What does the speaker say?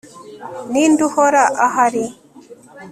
ninde uhora ahari